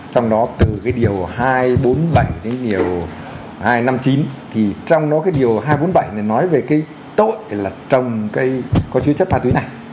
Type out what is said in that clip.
trong đó từ cái điều hai trăm bốn mươi bảy điều hai trăm năm mươi chín thì trong đó cái điều hai trăm bốn mươi bảy này nói về cái tội là trồng cây có chứa chất ma túy này